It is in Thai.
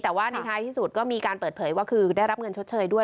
แต่ว่าในท้ายที่สุดก็มีการเปิดเผยว่าคือได้รับเงินชดเชยด้วย